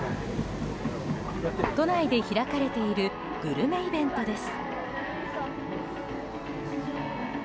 都内で開かれているグルメイベントです。